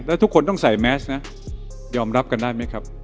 แล้วทุกคนต้องใส่แมสนะยอมรับกันได้ไหมครับ